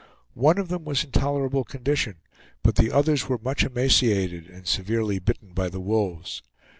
One of them was in tolerable condition, but the others were much emaciated and severely bitten by the wolves.